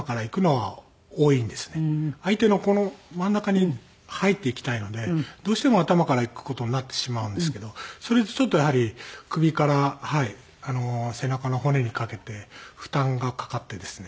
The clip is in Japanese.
相手のこの真ん中に入っていきたいのでどうしても頭から行く事になってしまうんですけどそれでちょっとやはり首から背中の骨にかけて負担がかかってですね。